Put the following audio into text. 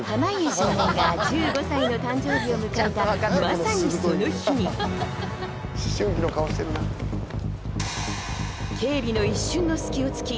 少年が１５歳の誕生日を迎えたまさにその日に警備の一瞬の隙をつき